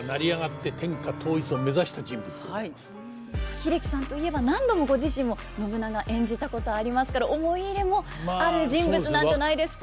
英樹さんといえば何度もご自身も信長演じたことありますから思い入れもある人物なんじゃないですか。